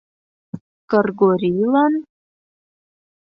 Кыр-го-рий-лан?!.